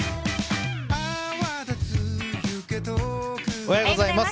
おはようございます。